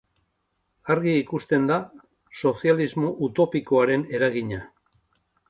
Argi ikusten da sozialismo utopikoaren eragina.